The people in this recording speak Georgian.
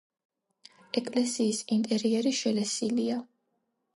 ეკლესიის ინტერიერი შელესილია.